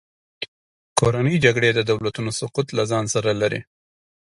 کورنۍ جګړې د دولتونو سقوط له ځان سره لري.